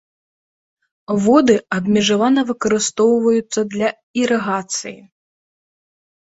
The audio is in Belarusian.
Воды абмежавана выкарыстоўваюцца для ірыгацыі.